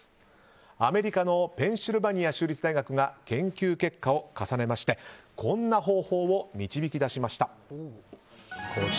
アメリカのペンシルベニア州立大学が研究結果を重ねましてこんな方法を導き出しました。